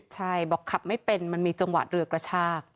ใช่บอกขับไม่เป็นมันมีจังหวะเรือกระชาก